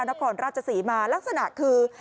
นักศึกรรมราชสีมาลักษณะคือ